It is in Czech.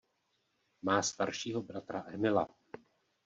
Má staršího bratra Emila.